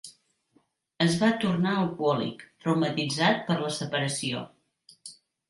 Es va tornar alcohòlic, traumatitzat per la separació.